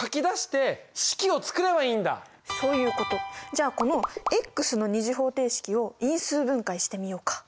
じゃあこのの２次方程式を因数分解してみようか。